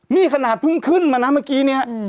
นี่ขนาดเพิ่งขึ้นมานะเมื่อกี้เนี่ย